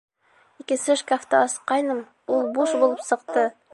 Икенсе шкафты асҡайным, ул буш булып сыҡты.